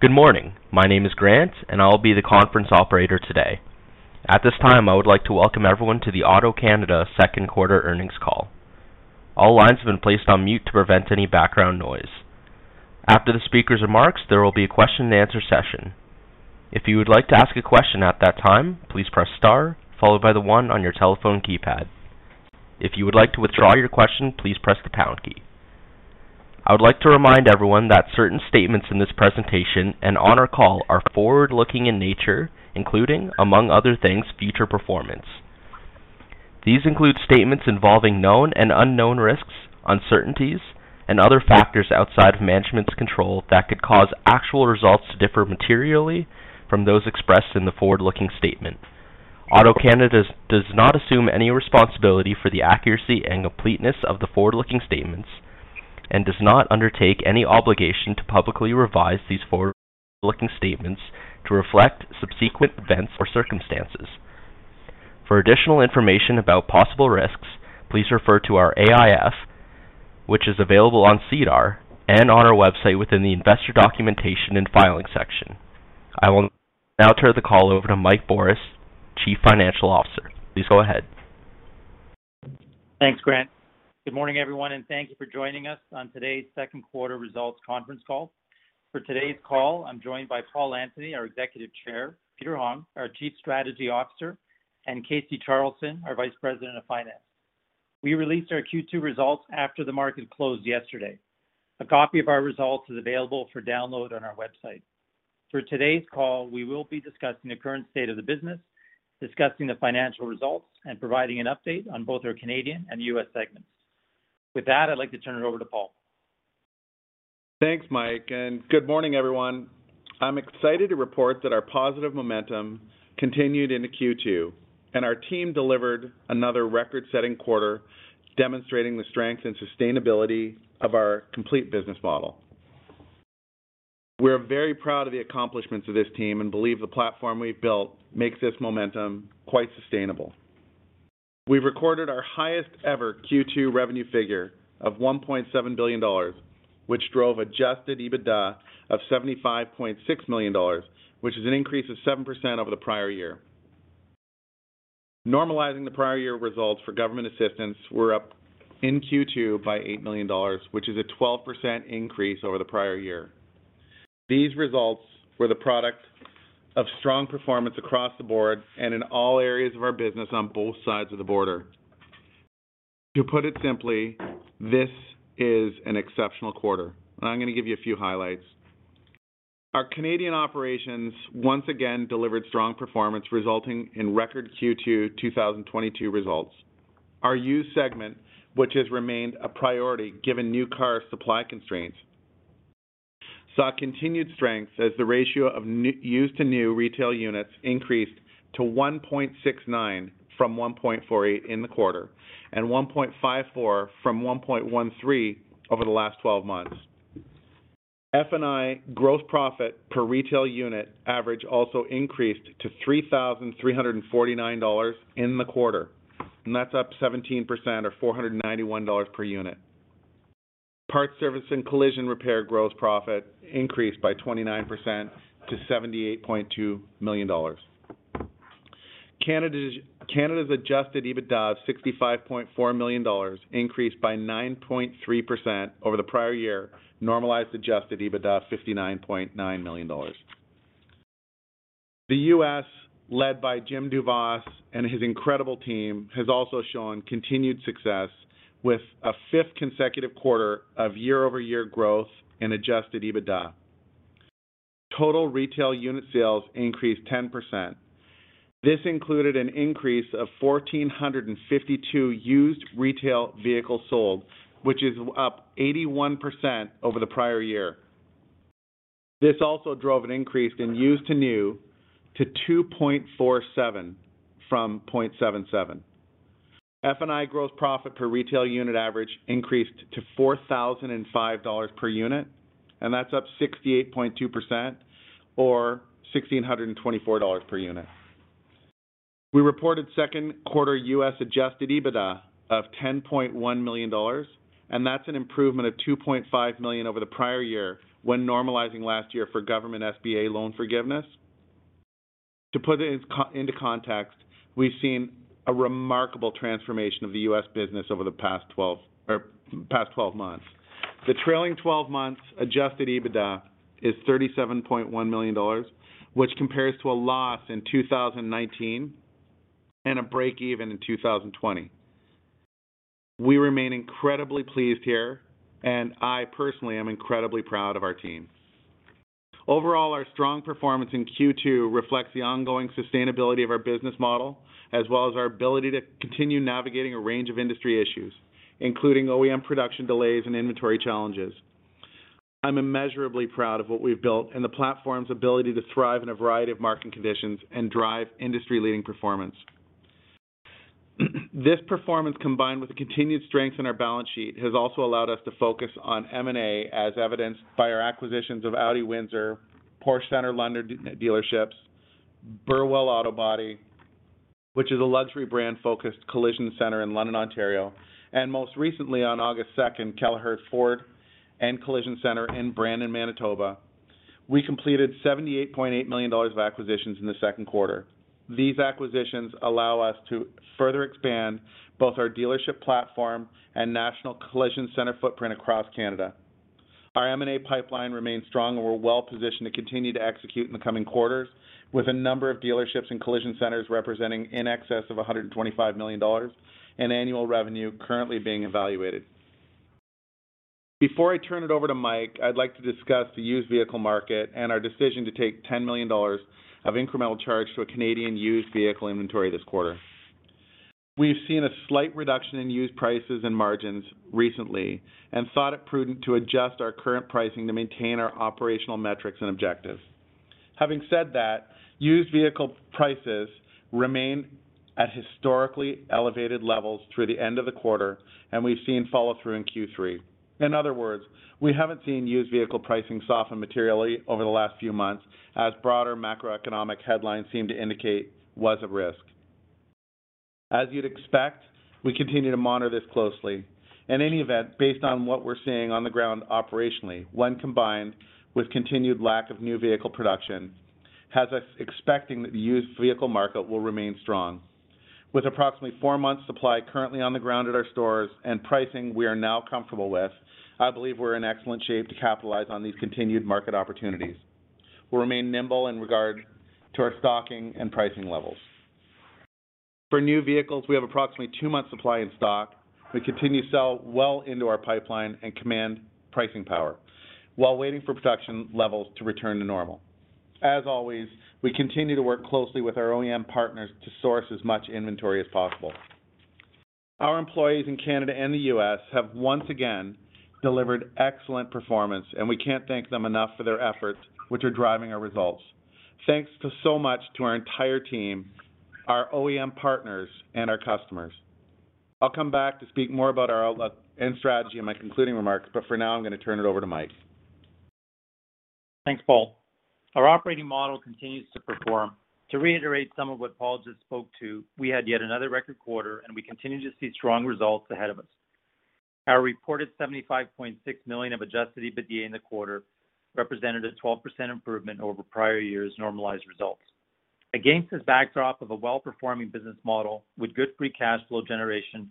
Good morning. My name is Grant, and I'll be the conference operator today. At this time, I would like to welcome everyone to the AutoCanada Second Quarter Earnings Call. All lines have been placed on mute to prevent any background noise. After the speaker's remarks, there will be a question-and-answer session. If you would like to ask a question at that time, please press star followed by the one on your telephone keypad. If you would like to withdraw your question, please press the pound key. I would like to remind everyone that certain statements in this presentation and on our call are forward-looking in nature, including, among other things, future performance. These include statements involving known and unknown risks, uncertainties, and other factors outside of management's control that could cause actual results to differ materially from those expressed in the forward-looking statement. AutoCanada does not assume any responsibility for the accuracy and completeness of the forward-looking statements and does not undertake any obligation to publicly revise these forward-looking statements to reflect subsequent events or circumstances. For additional information about possible risks, please refer to our AIF, which is available on SEDAR and on our website within the Investor Documentation and Filings section. I will now turn the call over to Mike Borys, Chief Financial Officer. Please go ahead. Thanks, Grant. Good morning, everyone, and thank you for joining us on today's second quarter results conference call. For today's call, I'm joined by Paul Antony, our Executive Chair, Peter Hong, our Chief Strategy Officer, and Casey Charleson, our Vice President of Finance. We released our Q2 results after the market closed yesterday. A copy of our results is available for download on our website. For today's call, we will be discussing the current state of the business, discussing the financial results, and providing an update on both our Canadian and U.S. segments. With that, I'd like to turn it over to Paul. Thanks, Mike, and good morning, everyone. I'm excited to report that our positive momentum continued into Q2, and our team delivered another record-setting quarter, demonstrating the strength and sustainability of our complete business model. We're very proud of the accomplishments of this team and believe the platform we've built makes this momentum quite sustainable. We recorded our highest ever Q2 revenue figure of 1.7 billion dollars, which drove adjusted EBITDA of 75.6 million dollars, which is an increase of 7% over the prior year. Normalizing the prior year results for government assistance, we're up in Q2 by 8 million dollars, which is a 12% increase over the prior year. These results were the product of strong performance across the board and in all areas of our business on both sides of the border. To put it simply, this is an exceptional quarter. I'm gonna give you a few highlights. Our Canadian operations once again delivered strong performance, resulting in record Q2 2022 results. Our used segment, which has remained a priority given new car supply constraints, saw continued strength as the ratio of used to new retail units increased to 1.69 from 1.48 in the quarter and 1.54 from 1.13 over the last 12 months. F&I gross profit per retail unit average also increased to 3,349 dollars in the quarter, and that's up 17% or 491 dollars per unit. Parts, service, and collision repair gross profit increased by 29% to 78.2 million dollars. Canada's adjusted EBITDA of 65.4 million dollars increased by 9.3% over the prior year, normalized adjusted EBITDA of 59.9 million dollars. The U.S., led by Jim Duvall and his incredible team, has also shown continued success with a fifth consecutive quarter of year-over-year growth in adjusted EBITDA. Total retail unit sales increased 10%. This included an increase of 1,452 used retail vehicles sold, which is up 81% over the prior year. This also drove an increase in used to new to 2.47 from 0.77. F&I gross profit per retail unit average increased to 4,005 dollars per unit, and that's up 68.2% or 1,624 dollars per unit. We reported second quarter U.S. adjusted EBITDA of $10.1 million, and that's an improvement of $2.5 million over the prior year when normalizing last year for government SBA loan forgiveness. To put it into context, we've seen a remarkable transformation of the U.S. business over the past 12 months. The trailing 12 months adjusted EBITDA is $37.1 million, which compares to a loss in 2019 and a breakeven in 2020. We remain incredibly pleased here, and I personally am incredibly proud of our team. Overall, our strong performance in Q2 reflects the ongoing sustainability of our business model as well as our ability to continue navigating a range of industry issues, including OEM production delays and inventory challenges. I'm immeasurably proud of what we've built and the platform's ability to thrive in a variety of market conditions and drive industry-leading performance. This performance, combined with the continued strength in our balance sheet, has also allowed us to focus on M&A as evidenced by our acquisitions of Audi Windsor, Porsche Centre London dealerships, Burwell Autobody, which is a luxury brand-focused collision center in London, Ontario, and most recently on August second, Kelleher Ford and collision center in Brandon, Manitoba. We completed 78.8 million dollars of acquisitions in the second quarter. These acquisitions allow us to further expand both our dealership platform and national collision center footprint across Canada. Our M&A pipeline remains strong, and we're well-positioned to continue to execute in the coming quarters with a number of dealerships and collision centers representing in excess of 125 million dollars in annual revenue currently being evaluated. Before I turn it over to Mike, I'd like to discuss the used vehicle market and our decision to take 10 million dollars of incremental charge to a Canadian used vehicle inventory this quarter. We've seen a slight reduction in used prices and margins recently and thought it prudent to adjust our current pricing to maintain our operational metrics and objectives. Having said that, used vehicle prices remain at historically elevated levels through the end of the quarter, and we've seen follow-through in Q3. In other words, we haven't seen used vehicle pricing soften materially over the last few months as broader macroeconomic headlines seem to indicate was at risk. As you'd expect, we continue to monitor this closely. In any event, based on what we're seeing on the ground operationally, when combined with continued lack of new vehicle production, has us expecting that the used vehicle market will remain strong. With approximately four months supply currently on the ground at our stores and pricing we are now comfortable with, I believe we're in excellent shape to capitalize on these continued market opportunities. We'll remain nimble in regard to our stocking and pricing levels. For new vehicles, we have approximately two months supply in stock. We continue to sell well into our pipeline and command pricing power while waiting for production levels to return to normal. As always, we continue to work closely with our OEM partners to source as much inventory as possible. Our employees in Canada and the U.S. have once again delivered excellent performance, and we can't thank them enough for their efforts, which are driving our results. Thanks so much to our entire team, our OEM partners, and our customers. I'll come back to speak more about our outlook and strategy in my concluding remarks, but for now, I'm going to turn it over to Mike. Thanks, Paul. Our operating model continues to perform. To reiterate some of what Paul just spoke to, we had yet another record quarter, and we continue to see strong results ahead of us. Our reported 75.6 million of adjusted EBITDA in the quarter represented a 12% improvement over prior years' normalized results. Against this backdrop of a well-performing business model with good free cash flow generation,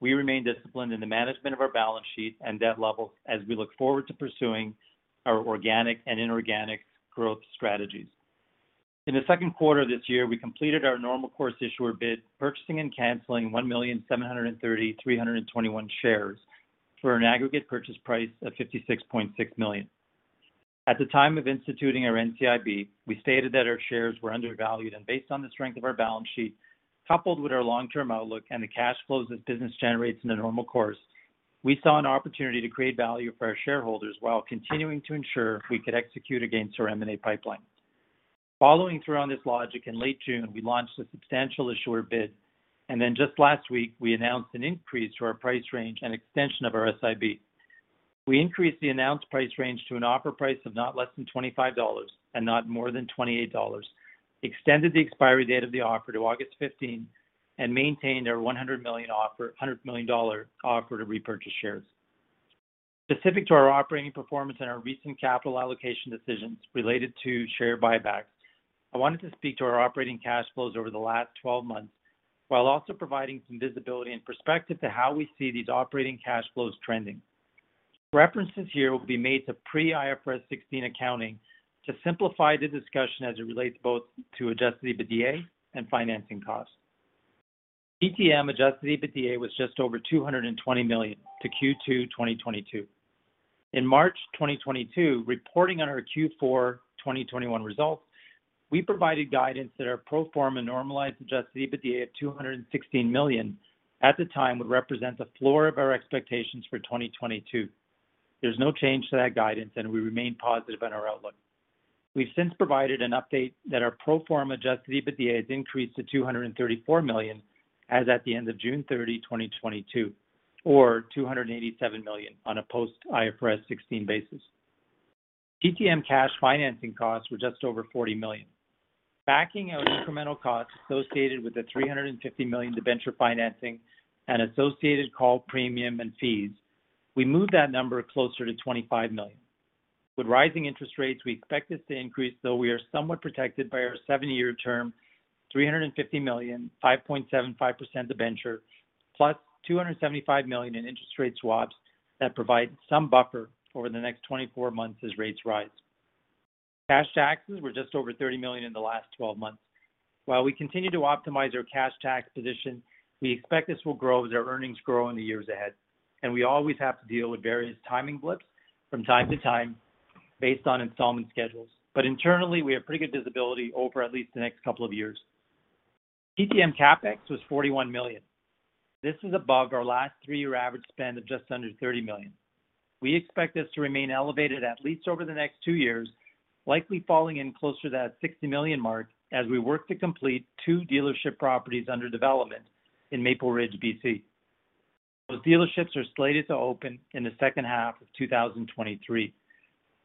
we remain disciplined in the management of our balance sheet and debt level as we look forward to pursuing our organic and inorganic growth strategies. In the second quarter this year, we completed our Normal Course Issuer Bid, purchasing and canceling 1,733,221 shares for an aggregate purchase price of 56.6 million. At the time of instituting our NCIB, we stated that our shares were undervalued and based on the strength of our balance sheet, coupled with our long-term outlook and the cash flows this business generates in the normal course, we saw an opportunity to create value for our shareholders while continuing to ensure we could execute against our M&A pipeline. Following through on this logic, in late June, we launched a substantial issuer bid, and then just last week we announced an increase to our price range and extension of our SIB. We increased the announced price range to an offer price of not less than 25 dollars and not more than 28 dollars, extended the expiry date of the offer to August 15, and maintained our 100 million offer to repurchase shares. Specific to our operating performance and our recent capital allocation decisions related to share buybacks, I wanted to speak to our operating cash flows over the last 12 months while also providing some visibility and perspective to how we see these operating cash flows trending. References here will be made to pre-IFRS 16 accounting to simplify the discussion as it relates both to adjusted EBITDA and financing costs. TTM adjusted EBITDA was just over 220 million to Q2 2022. In March 2022, reporting on our Q4 2021 results, we provided guidance that our pro forma normalized adjusted EBITDA of 216 million at the time would represent the floor of our expectations for 2022. There's no change to that guidance, and we remain positive in our outlook. We've since provided an update that our pro forma adjusted EBITDA has increased to 234 million as at the end of June 30, 2022, or 287 million on a post IFRS 16 basis. TTM cash financing costs were just over 40 million. Backing out incremental costs associated with the 350 million debenture financing and associated call premium and fees, we moved that number closer to 25 million. With rising interest rates, we expect this to increase, though we are somewhat protected by our seven-year term 350 million 5.75% debenture, plus 275 million in interest rate swaps that provide some buffer over the next 24 months as rates rise. Cash taxes were just over 30 million in the last 12 months. While we continue to optimize our cash tax position, we expect this will grow as our earnings grow in the years ahead, and we always have to deal with various timing blips from time to time based on installment schedules. Internally, we have pretty good visibility over at least the next couple of years. TTM CapEx was 41 million. This is above our last three-year average spend of just under 30 million. We expect this to remain elevated at least over the next two years, likely falling in closer to that 60 million mark as we work to complete two dealership properties under development in Maple Ridge, BC. Those dealerships are slated to open in the second half of 2023.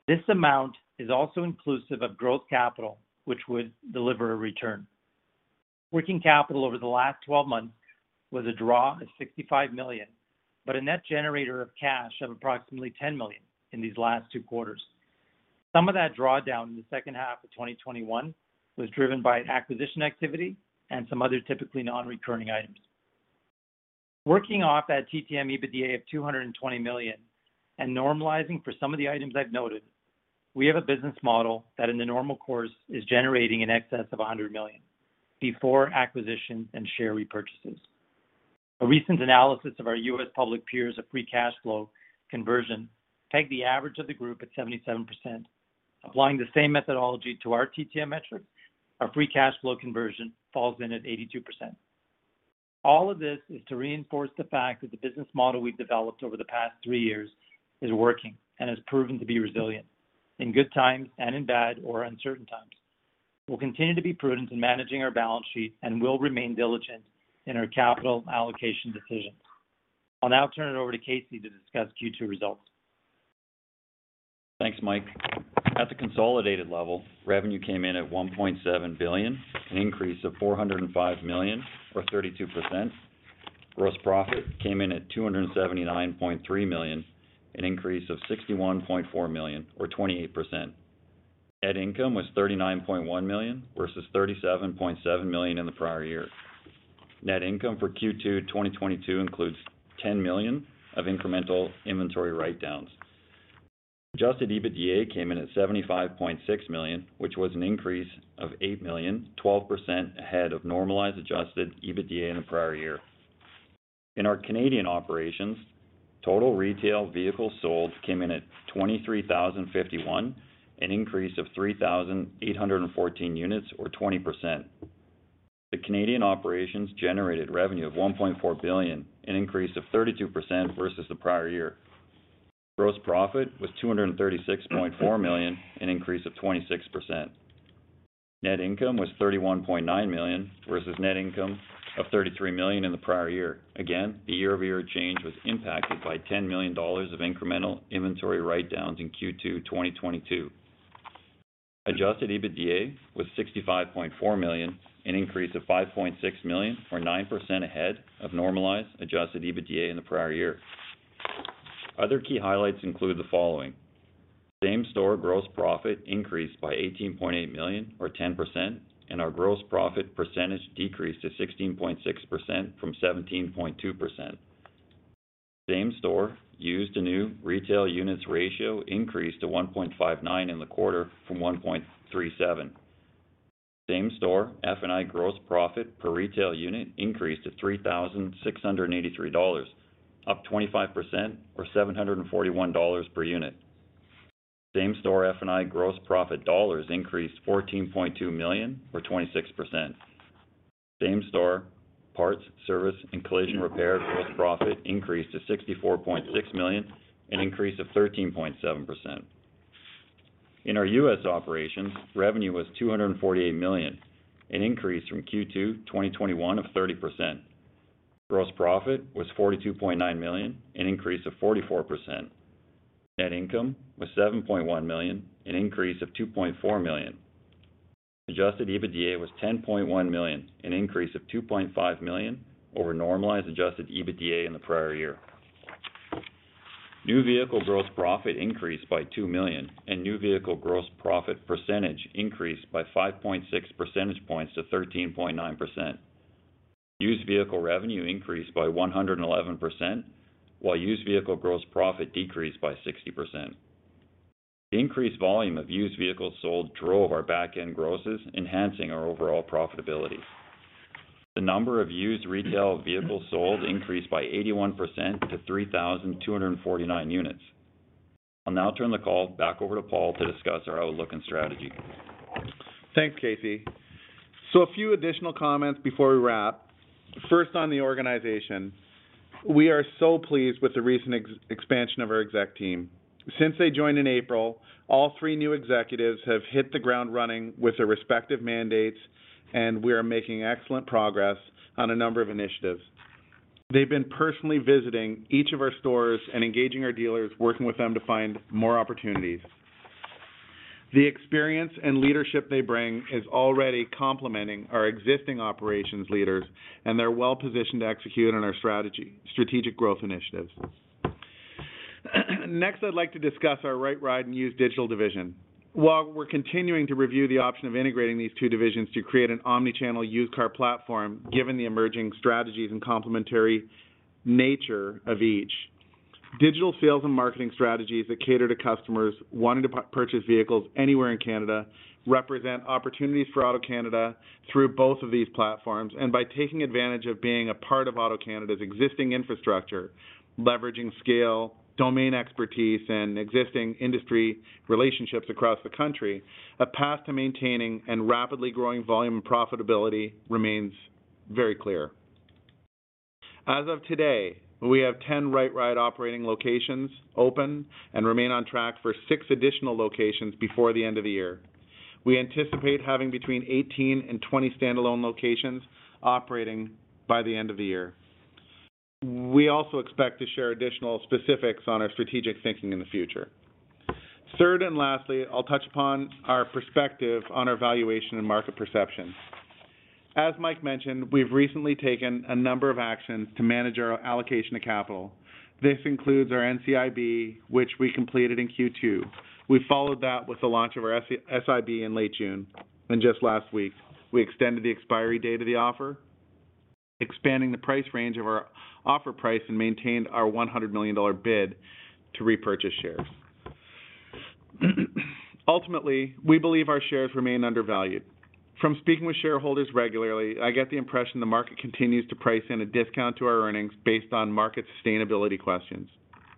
This amount is also inclusive of growth capital, which would deliver a return. Working capital over the last 12 months was a draw of 65 million, but a net generator of cash of approximately 10 million in these last two quarters. Some of that drawdown in the second half of 2021 was driven by an acquisition activity and some other typically non-recurring items. Working off that TTM EBITDA of 220 million and normalizing for some of the items I've noted, we have a business model that in the normal course is generating in excess of 100 million before acquisition and share repurchases. A recent analysis of our U.S. public peers of free cash flow conversion pegged the average of the group at 77%. Applying the same methodology to our TTM metric, our free cash flow conversion falls in at 82%. All of this is to reinforce the fact that the business model we've developed over the past three years is working and has proven to be resilient in good times and in bad or uncertain times. We'll continue to be prudent in managing our balance sheet and will remain diligent in our capital allocation decisions. I'll now turn it over to Casey to discuss Q2 results. Thanks, Mike. At the consolidated level, revenue came in at 1.7 billion, an increase of 405 million or 32%. Gross profit came in at 279.3 million, an increase of 61.4 million or 28%. Net income was 39.1 million versus 37.7 million in the prior year. Net income for Q2 2022 includes 10 million of incremental inventory write-downs. Adjusted EBITDA came in at 75.6 million, which was an increase of 8 million, 12% ahead of normalized adjusted EBITDA in the prior year. In our Canadian operations, total retail vehicles sold came in at 23,051, an increase of 3,814 units or 20%. The Canadian operations generated revenue of 1.4 billion, an increase of 32% versus the prior year. Gross profit was 236.4 million, an increase of 26%. Net income was 31.9 million versus net income of 33 million in the prior year. Again, the year-over-year change was impacted by 10 million dollars of incremental inventory write-downs in Q2 2022. Adjusted EBITDA was 65.4 million, an increase of 5.6 million or 9% ahead of normalized adjusted EBITDA in the prior year. Other key highlights include the following. Same-store gross profit increased by 18.8 million or 10%, and our gross profit percentage decreased to 16.6% from 17.2%. Same-store used to new retail units ratio increased to 1.59 in the quarter from 1.37. Same-store F&I gross profit per retail unit increased to 3,683 dollars, up 25% or 741 dollars per unit. Same-store F&I gross profit dollars increased 14.2 million or 26%. Same-store parts, service, and collision repair gross profit increased to 64.6 million, an increase of 13.7%. In our U.S. operations, revenue was $248 million, an increase from Q2 2021 of 30%. Gross profit was $42.9 million, an increase of 44%. Net income was $7.1 million. An increase of $2.4 million. Adjusted EBITDA was $10.1 million, an increase of $2.5 million over normalized adjusted EBITDA in the prior year. New vehicle gross profit increased by 2 million, and new vehicle gross profit percentage increased by 5.6 percentage points to 13.9%. Used vehicle revenue increased by 111%, while used vehicle gross profit decreased by 60%. The increased volume of used vehicles sold drove our back-end grosses, enhancing our overall profitability. The number of used retail vehicles sold increased by 81% to 3,249 units. I'll now turn the call back over to Paul to discuss our outlook and strategy. Thanks, Casey. A few additional comments before we wrap. First on the organization, we are so pleased with the recent expansion of our exec team. Since they joined in April, all three new executives have hit the ground running with their respective mandates, and we are making excellent progress on a number of initiatives. They've been personally visiting each of our stores and engaging our dealers, working with them to find more opportunities. The experience and leadership they bring is already complementing our existing operations leaders, and they're well-positioned to execute on our strategy, strategic growth initiatives. Next, I'd like to discuss our RightRide and Used Digital division. While we're continuing to review the option of integrating these two divisions to create an omni-channel used car platform, given the emerging strategies and complementary nature of each. Digital sales and marketing strategies that cater to customers wanting to purchase vehicles anywhere in Canada represent opportunities for AutoCanada through both of these platforms. By taking advantage of being a part of AutoCanada's existing infrastructure, leveraging scale, domain expertise, and existing industry relationships across the country, a path to maintaining and rapidly growing volume and profitability remains very clear. As of today, we have 10 RightRide operating locations open and remain on track for six additional locations before the end of the year. We anticipate having between 18 and 20 standalone locations operating by the end of the year. We also expect to share additional specifics on our strategic thinking in the future. Third, and lastly, I'll touch upon our perspective on our valuation and market perception. As Mike mentioned, we've recently taken a number of actions to manage our allocation of capital. This includes our NCIB, which we completed in Q2. We followed that with the launch of our SIB in late June, and just last week we extended the expiry date of the offer, expanding the price range of our offer price, and maintained our 100 million dollar bid to repurchase shares. Ultimately, we believe our shares remain undervalued. From speaking with shareholders regularly, I get the impression the market continues to price in a discount to our earnings based on market sustainability questions.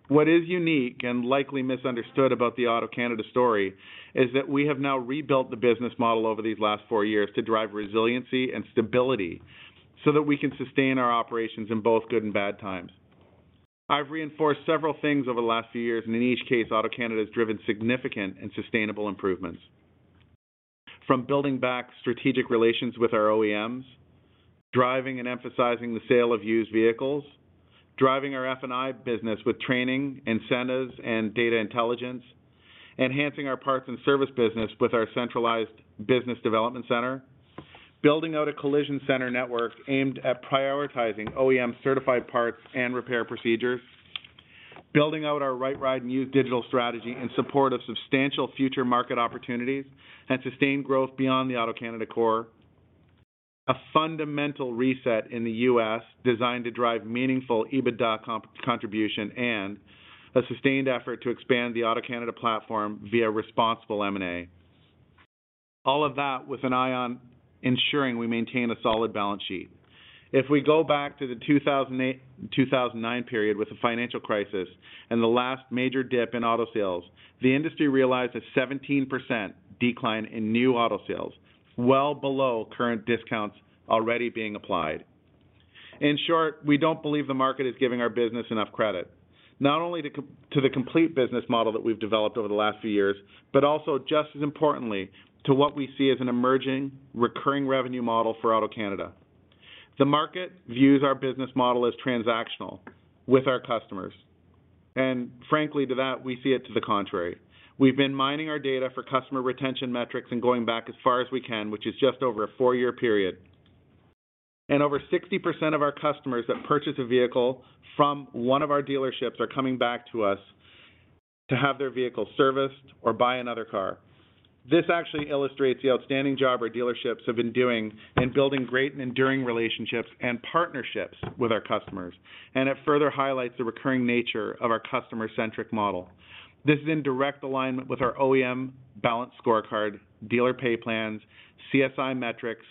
What is unique and likely misunderstood about the AutoCanada story is that we have now rebuilt the business model over these last four years to drive resiliency and stability so that we can sustain our operations in both good and bad times. I've reinforced several things over the last few years, and in each case, AutoCanada has driven significant and sustainable improvements. From building back strategic relations with our OEMs, driving and emphasizing the sale of used vehicles, driving our F&I business with training, incentives and data intelligence, enhancing our parts and service business with our centralized Business Development Center, building out a collision center network aimed at prioritizing OEM certified parts and repair procedures, building out our RightRide new digital strategy in support of substantial future market opportunities and sustained growth beyond the AutoCanada core. A fundamental reset in the U.S. designed to drive meaningful EBITDA contribution and a sustained effort to expand the AutoCanada platform via responsible M&A. All of that with an eye on ensuring we maintain a solid balance sheet. If we go back to the 2008-2009 period with the financial crisis and the last major dip in auto sales, the industry realized a 17% decline in new auto sales, well below current discounts already being applied. In short, we don't believe the market is giving our business enough credit, not only to the complete business model that we've developed over the last few years, but also, just as importantly, to what we see as an emerging recurring revenue model for AutoCanada. The market views our business model as transactional with our customers, and frankly, to that we see it to the contrary. We've been mining our data for customer retention metrics and going back as far as we can, which is just over a four-year period. Over 60% of our customers that purchase a vehicle from one of our dealerships are coming back to us to have their vehicle serviced or buy another car. This actually illustrates the outstanding job our dealerships have been doing in building great and enduring relationships and partnerships with our customers. It further highlights the recurring nature of our customer-centric model. This is in direct alignment with our OEM Balanced Scorecard, dealer pay plans, CSI metrics,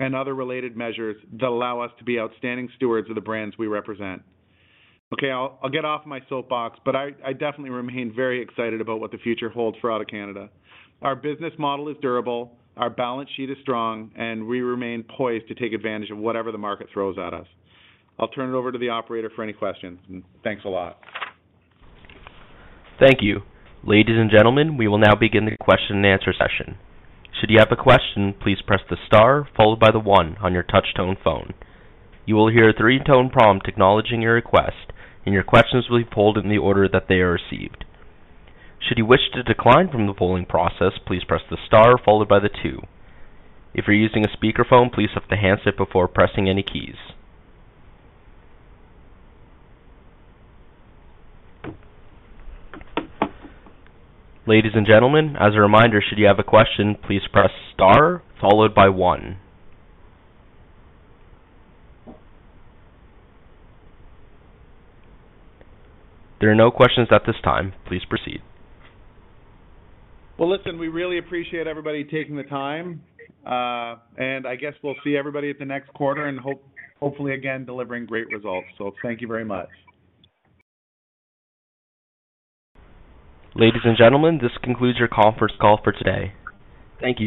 and other related measures that allow us to be outstanding stewards of the brands we represent. Okay, I'll get off my soapbox, but I definitely remain very excited about what the future holds for AutoCanada. Our business model is durable, our balance sheet is strong, and we remain poised to take advantage of whatever the market throws at us. I'll turn it over to the operator for any questions. Thanks a lot. Thank you. Ladies and gentlemen, we will now begin the question and answer session. Should you have a question, please press the star followed by the one on your touch-tone phone. You will hear a three-tone prompt acknowledging your request, and your questions will be pulled in the order that they are received. Should you wish to decline from the polling process, please press the star followed by the two. If you're using a speakerphone, please lift the handset before pressing any keys. Ladies and gentlemen, as a reminder, should you have a question, please press star followed by one. There are no questions at this time. Please proceed. Well, listen, we really appreciate everybody taking the time, and I guess we'll see everybody at the next quarter and hopefully, again, delivering great results. Thank you very much. Ladies and gentlemen, this concludes your conference call for today. Thank you.